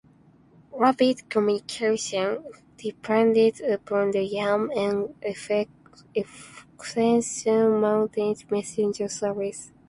Rapid communication depended upon the Yam, an efficient mounted messenger service.